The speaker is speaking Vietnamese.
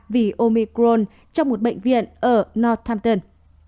vì omicron trong một bệnh viện ở northampton